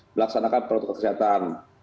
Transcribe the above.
melaksanakan protokol kesehatan